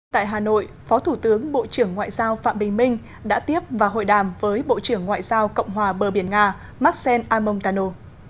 tại hà nội phó thủ tướng bộ trưởng ngoại giao phạm bình minh đã tiếp và hội đàm với bộ trưởng ngoại giao cộng hòa bờ biển nga markel amontano